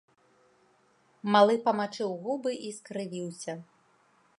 Малы памачыў губы і скрывіўся.